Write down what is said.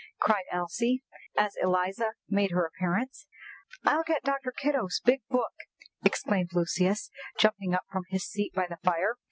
cried Elsie, as Eliza made her appearance. "I'll get Dr. Kitto's big book!" exclaimed Lucius, jumping up from his seat by the fire.